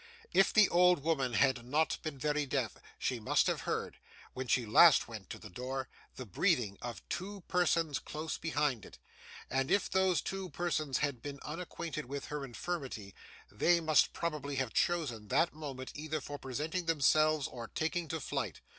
If the old woman had not been very deaf, she must have heard, when she last went to the door, the breathing of two persons close behind it: and if those two persons had been unacquainted with her infirmity, they must probably have chosen that moment either for presenting themselves or taking to flight.